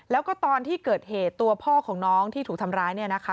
แล้วก็ตอนที่เกิดเหตุตัวพ่อของน้องที่ถูกทำร้าย